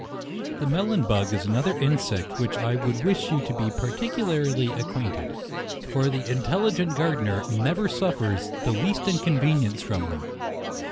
The melon bug is another insect with which I would wish you to be particularly acquain ted ; for the intelligent gardener never suf fers the least inconvenience from them.